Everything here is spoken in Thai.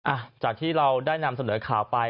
อ่ะจากที่เราได้นำเสนอข่าวไป